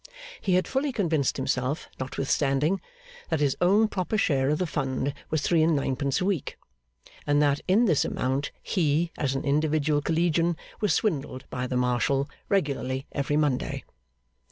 He had fully convinced himself, notwithstanding, that his own proper share of the Fund was three and ninepence a week; and that in this amount he, as an individual collegian, was swindled by the marshal, regularly every Monday.